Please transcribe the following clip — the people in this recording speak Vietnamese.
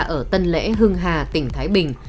ở tân lễ hưng hà tỉnh thái bình